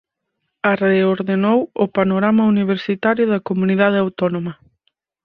A reordenou o panorama universitario da comunidade autónoma.